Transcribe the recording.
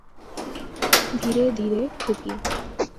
ধীরে, ধীরে খুকি।